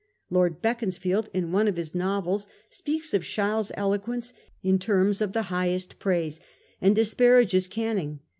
Lord Beacons field, in one of his novels, speaks of Sheil's elo quence in terms of the highest praise, and disparages Canning.